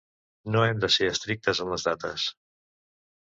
No hem de ser estrictes amb les dates.